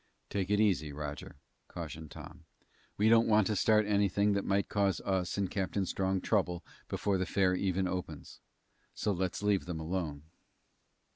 "Take it easy, Roger," cautioned Tom. "We don't want to start anything that might cause us and Captain Strong trouble before the fair even opens. So let's leave them alone."